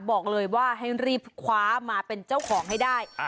บอกเลยว่าให้รีบคว้ามาเป็นเจ้าของให้ได้